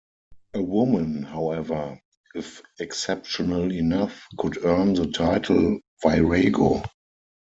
A woman, however, if exceptional enough could earn the title "virago".